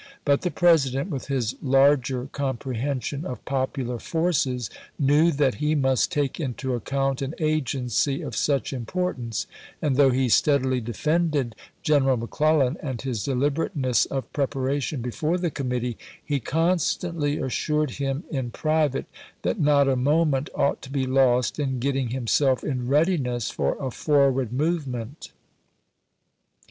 But the President, with his larger comprehension of popular forces, knew that he must take into account an agency of such im portance ; and though he steadily defended Gren eral McClellan and his deliberateness of preparation before the committee, he constantly assured him in private that not a moment ought to be lost in get ting himself in readiness for a forward movement.